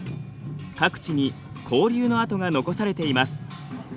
各地に交流の跡が残されています。